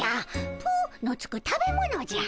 「ぷ」のつく食べ物じゃ。